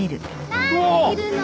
何でいるの？